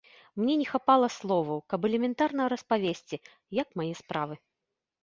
Мне не хапала словаў, каб элементарна распавесці, як мае справы.